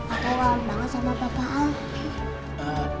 aku erang banget sama papa alda